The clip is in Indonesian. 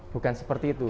bukan seperti itu